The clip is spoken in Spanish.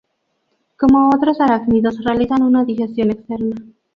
Como otros arácnidos realizan una digestión externa.